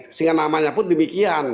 sehingga namanya pun demikian